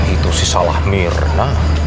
itu sih salah mirna